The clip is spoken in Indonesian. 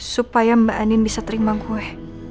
supaya mbak endin bisa terima gue